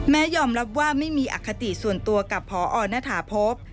ยอมรับว่าไม่มีอคติส่วนตัวกับพอณฐาพบ